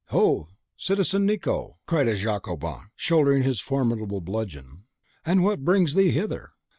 "Ho! Citizen Nicot," cried a Jacobin, shouldering his formidable bludgeon, "and what brings thee hither?